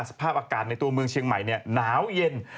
สภาพอากาศในตัวเมืองเชียงใหม่หนาวเย็น